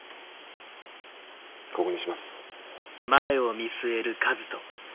ここにします。